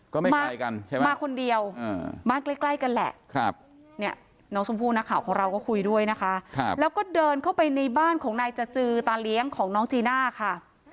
ก็ไม่มากันใช่ไหมมาคนเดียวบ้านใกล้กันแหละเนี่ยน้องชมพู่นักข่าวของเราก็คุยด้วยนะคะแล้วก็เดินเข้าไปในบ้านของนายจจือตาเลี้ยงของน้องจีน่าค่ะ